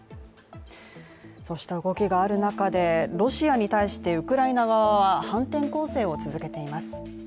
そうした動きがある中でロシアに対してウクライナ側は反転攻勢を続けています。